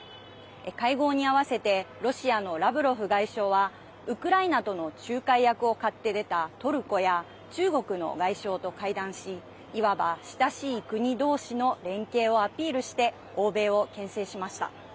会合に合わせてロシアのラブロフ外相はウクライナとの仲介役を買って出たトルコや中国の外相と会談しいわば親しい国同士の連携をアピールして欧米をけん制しました。